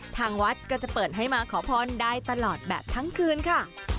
ทางวัดก็จะเปิดให้มาขอพรได้ตลอดแบบทั้งคืนค่ะ